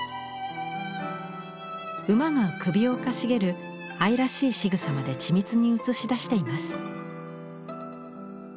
馬が首をかしげる愛らしいしぐさまで緻密に写し出しています。